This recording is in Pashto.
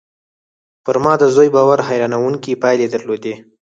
پر ما د زوی باور حيرانوونکې پايلې درلودې